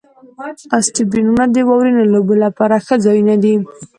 آسټرین غرونه د واورینو لوبو لپاره ښه ځایونه دي.